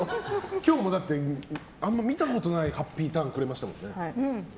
今日もあんま見たことないハッピーターンくれましたもんね。